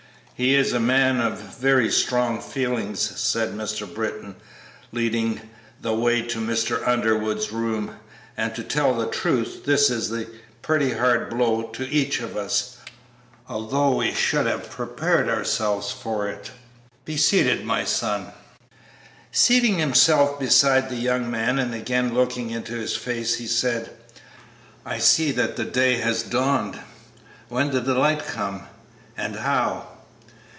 "He is a man of very strong feelings," said Mr. Britton, leading the way to Mr. Underwood's room; "and, to tell the truth, this is a pretty hard blow to each of us, although we should have prepared ourselves for it. Be seated, my son." Seating himself beside the young man and again looking into his face, he said, "I see that the day has dawned; when did the light come, and how?"